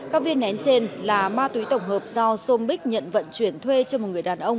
các viên nén trên là ma túy tổng hợp do sôm bích nhận vận chuyển thuê cho một người đàn ông